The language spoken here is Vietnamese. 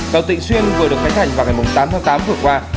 cầu tỉnh xuyên vừa được phát thành vào ngày tám tháng tám vừa qua